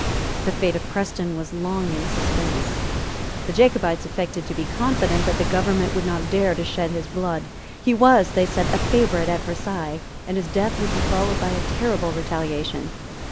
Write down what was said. The fate of Preston was long in suspense. The Jacobites affected to be confident that the government would not dare to shed his blood. He was, they said, a favourite at Versailles, and his death would be followed by a terrible retaliation.